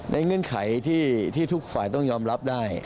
เงื่อนไขที่ทุกฝ่ายต้องยอมรับได้